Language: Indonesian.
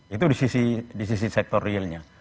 itu di sisi sektor realnya